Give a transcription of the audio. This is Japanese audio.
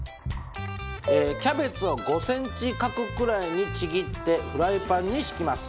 キャベツを５センチ角くらいにちぎってフライパンに敷きます。